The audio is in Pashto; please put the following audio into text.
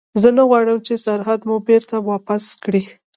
زه نه غواړم چې سرحد ته مو بېرته واپس کړي.